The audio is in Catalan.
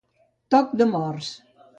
Toc de morts.